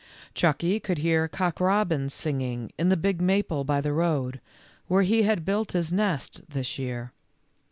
Chucky could hear Cock robin singing in the big maple by the road, where he had built his nest this year.